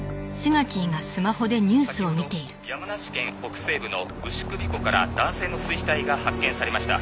「先ほど山梨県北西部の丑首湖から男性の水死体が発見されました」